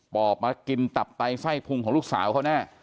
อบมากินตับไตไส้พุงของลูกสาวเขาแน่